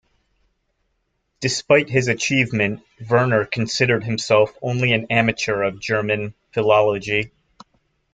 Despite his achievement, Verner considered himself only an amateur of German philology.